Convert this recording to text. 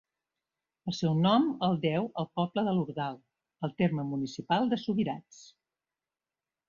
El seu nom el deu al poble d'Ordal, al terme municipal de Subirats.